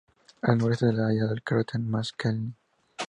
Al noreste se halla el cráter Maskelyne.